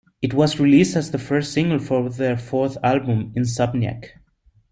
It was released as the first single from their fourth album, "Insomniac".